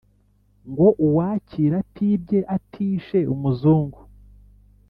ngo uwakira atibye atishe umuzungu